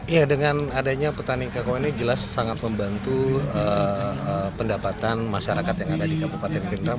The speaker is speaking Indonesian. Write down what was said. ya dengan adanya petani kakao ini jelas sangat membantu pendapatan masyarakat yang ada di kabupaten pindrang